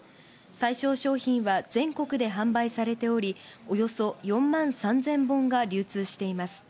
対象商品は全国で販売されており、およそ４万３０００本が流通しています。